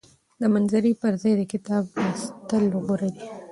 د مناظرې پر ځای د کتاب لوستل غوره دي.